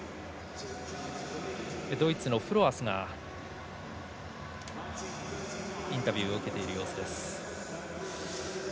ドイツのフロアスがインタビューを受けています。